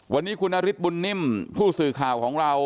วันนี้คุณนฤทธบุญนิ่มผู้สื่อข่าวของเรา